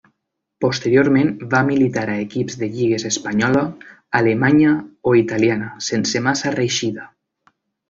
Posteriorment va militar a equips de les lligues espanyola, alemanya o italiana, sense massa reeixida.